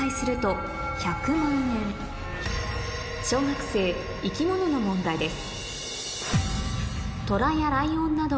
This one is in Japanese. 小学生生き物の問題です